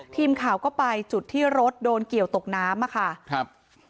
ทีมข่าวก็ไปจุดที่รถโดนเกี่ยวตกน้ำอะค่ะครับ